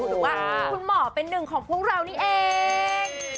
หรือว่าคุณหมอเป็นหนึ่งของพวกเรานี่เอง